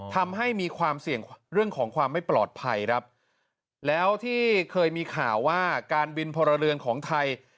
ทำให้มีความเสี่ยงเรื่องของความไม่ปลอดภัยครับแล้วที่เคยมีข่าวว่าการบินพลเรือนของไทย